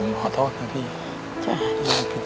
ขอโทษนะพี่